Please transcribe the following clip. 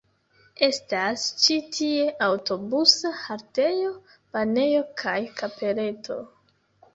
Estas ĉi tie aŭtobusa haltejo, banejo kaj kapeleto.